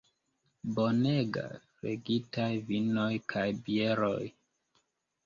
Bonega flegitaj vinoj kaj bieroj.